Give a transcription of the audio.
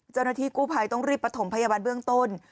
เจ้าหน้าที่กู้ภัยต้องรีบประถมพยาบาลเบื้องต้น